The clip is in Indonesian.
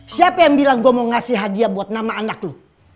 siapa yang bilang gue mau ngasih hadiah buat nama anak lu